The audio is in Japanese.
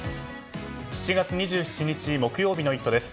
７月２７日木曜日の「イット！」です。